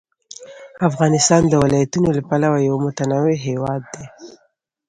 افغانستان د ولایتونو له پلوه یو متنوع هېواد دی.